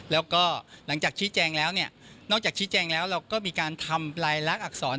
แล้วก็หลังจากชี้แจงแล้วเนี่ยนอกจากชี้แจงแล้วเราก็มีการทำลายลักษณอักษร